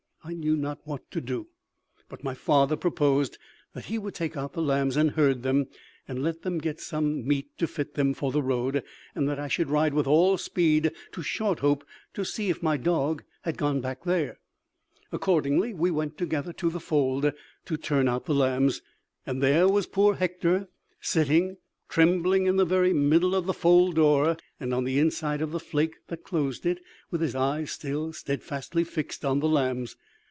I knew not what to do; but my father proposed that he would take out the lambs and herd them, and let them get some meat to fit them for the road, and that I should ride with all speed to Shorthope to see if my dog had gone back there. Accordingly we went together to the fold to turn out the lambs, and there was poor Hector, sitting trembling in the very middle of the fold door, on the inside of the flake that closed it, with his eyes still steadfastly fixed on the lambs.